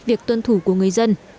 việc tuân thủ của người dân